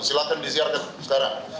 silahkan disiarkan sekarang